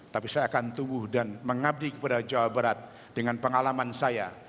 tapi saya akan tumbuh dan mengabdi kepada jawa barat dengan pengalaman saya